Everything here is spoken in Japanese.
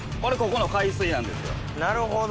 なるほど。